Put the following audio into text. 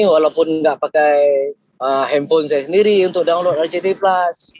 walaupun nggak pakai handphone saya sendiri untuk download lct plus